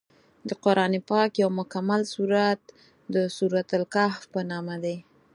د قران پاک یو مکمل سورت د سورت الکهف په نامه دی.